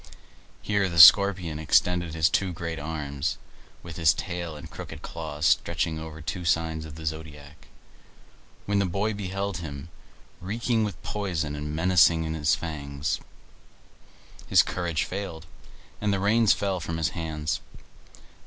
Here the Scorpion extended his two great arms, with his tail and crooked claws stretching over two signs of the zodiac. When the boy beheld him, reeking with poison and menacing with his fangs, his courage failed, and the reins fell from his hands.